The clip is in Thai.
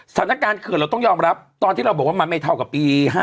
สถานการณ์เคือนเราต้องยอมรับตอนที่เราบอกว่ามันไม่เท่ากับปี